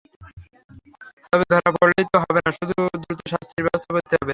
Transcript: তবে ধরা পড়লেই তো হবে না, দ্রুত শাস্তির ব্যবস্থা করতে হবে।